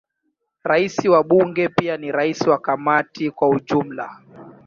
Rais wa Bunge pia ni rais wa Kamati kwa ujumla.